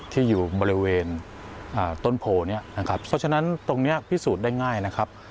ที่อยู่บริเวณต้นโพเนี่ยนะครับเพราะฉะนั้นตรงนี้พิสูจน์ได้ง่ายนะครับ